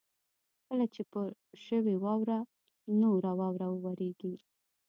کله چې پر شوې واوره نوره واوره ورېږي.